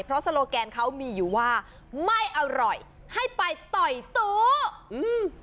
เพราะโซโลแกนเขามีอยู่ว่าไม่อร่อยให้ไปต่อยโต๊ะอืม